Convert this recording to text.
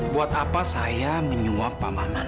buat apa saya menyua pak maman